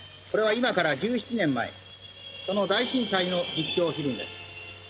これは今から１７年前その大震災の実証フィルムです。